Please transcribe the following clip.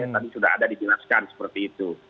tadi sudah ada dijelaskan seperti itu